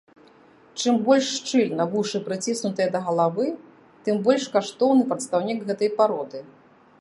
Чым больш шчыльна вушы прыціснутыя да галавы, тым больш каштоўны прадстаўнік гэтай пароды.